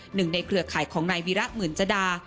หนึ่งในเครือขายของนายวีระเหมือนจดา